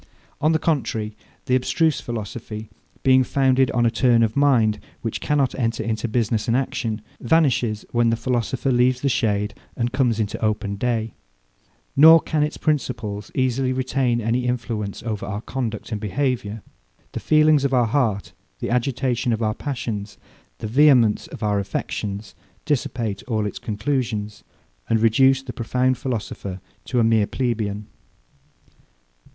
On the contrary, the abstruse philosophy, being founded on a turn of mind, which cannot enter into business and action, vanishes when the philosopher leaves the shade, and comes into open day; nor can its principles easily retain any influence over our conduct and behaviour. The feelings of our heart, the agitation of our passions, the vehemence of our affections, dissipate all its conclusions, and reduce the profound philosopher to a mere plebeian.